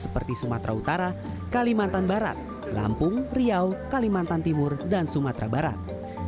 seperti sumatera utara kalimantan barat lampung riau kalimantan timur dan sumatera barat